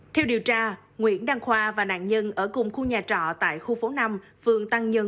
theo điều tra nguyễn đăng khoa và nạn nhân ở cùng khu nhà trọ tại khu phố năm phường tăng nhân